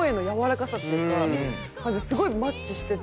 すごいマッチしてて。